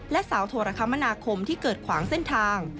และสาวโทรคมนาคมที่เกิดขวางเส้นทาง